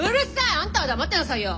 あんたは黙ってなさいよ！